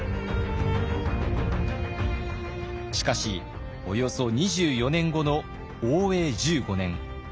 しかしおよそ２４年後の応永１５年。